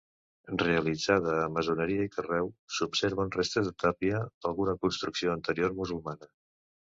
Realitzada a maçoneria i carreu, s'observen restes de tàpia d'alguna construcció anterior musulmana.